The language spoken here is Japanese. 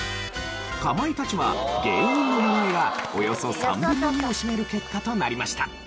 かまいたちは「芸人の名前」がおよそ３分の２を占める結果となりました。